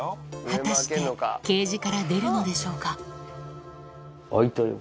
果たしてケージから出るのでしょうか？